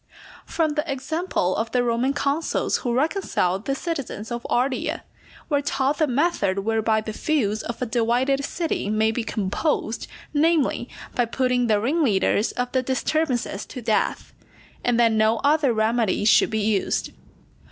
_ From the example of the Roman consuls who reconciled the citizens of Ardea, we are taught the method whereby the feuds of a divided city may be composed, namely, by putting the ringleaders of the disturbances to death; and that no other remedy should be used.